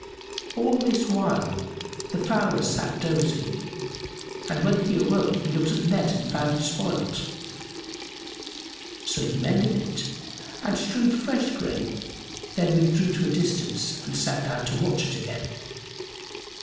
All this while, the fowler sat dozing, and when he awoke, he looked at the net and found it spoilt. So he mended it and strewed fresh grain, then withdrew to a distance and sat down to watch it again.